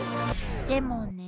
でもね。